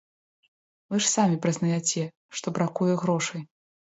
Вы ж самі прызнаяце, што бракуе грошай.